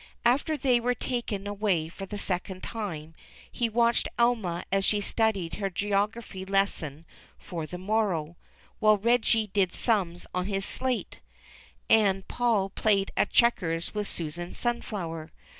After they were taken away for the second time, he w'atched Elma as she studied her geography lesson for the morroAV, Avhile Reggie did sums on his slate, and Paul played at checkers with Susan SunfloAver.